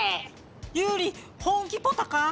ユウリ本気ポタか？